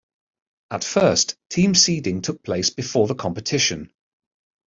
At first team seeding took place before the competition.